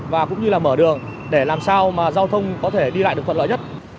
và cũng như là mở đường để làm sao mà giao thông có thể đi lại được thuận lợi nhất